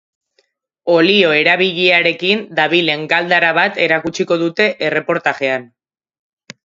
Olio erabiliarekin dabilen galdara bat erakutsiko dute erreportajean.